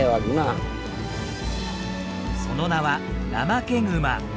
その名はナマケグマ。